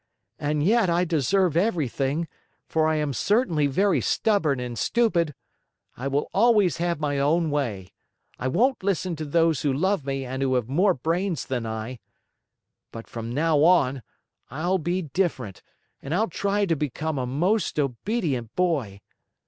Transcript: "And yet I deserve everything, for I am certainly very stubborn and stupid! I will always have my own way. I won't listen to those who love me and who have more brains than I. But from now on, I'll be different and I'll try to become a most obedient boy.